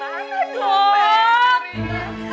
mbak kinta perhiasan gue hilang